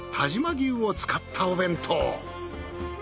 牛を使ったお弁当。